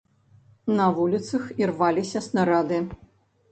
На вуліцах ірваліся снарады.